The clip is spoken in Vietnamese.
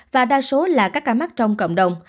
và đa số là các ca mắc trong cộng đồng